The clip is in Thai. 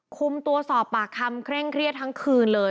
คุมตัวสอบปากคำเคร่งเครียดทั้งคืนเลย